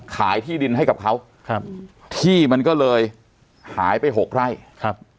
ขายที่ดินให้กับเขาครับที่มันก็เลยหายไปหกไร่ครับ